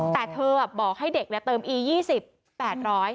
แต่เธอบอกให้เด็กเติมอี๒๐๘๐๐บาท